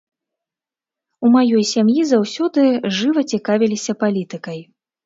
У маёй сям'і заўсёды жыва цікавіліся палітыкай.